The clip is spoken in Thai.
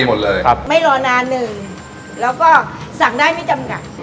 แล้วก็สั่งได้มีจำกัด